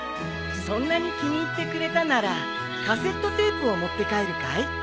そんなに気に入ってくれたならカセットテープを持って帰るかい？